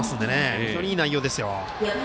非常に、いい内容ですよ。